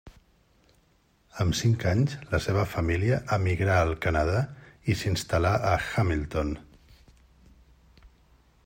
Amb cinc anys la seva família emigrà al Canadà i s'instal·là a Hamilton.